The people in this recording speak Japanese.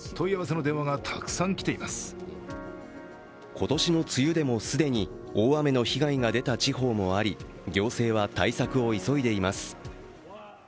今年の梅雨でも既に大雨の被害が出た地方もあり行政は対策を急いでいます。